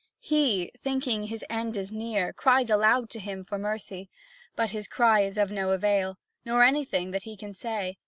He, thinking his end is near, cries aloud to him for mercy; but his cry is of no avail, nor anything that he can say.